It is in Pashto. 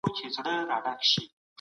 تلونکی باید ناست ته سلام وکړي.